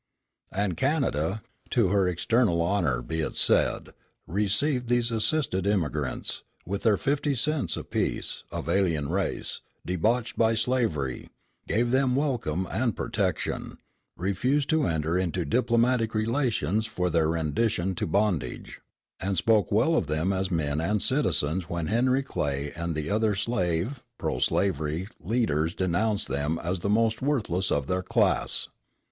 And Canada, to her eternal honor be it said, received these assisted emigrants, with their fifty cents apiece, of alien race, debauched by slavery, gave them welcome and protection, refused to enter into diplomatic relations for their rendition to bondage, and spoke well of them as men and citizens when Henry Clay and the other slave [pro slavery] leaders denounced them as the most worthless of their class.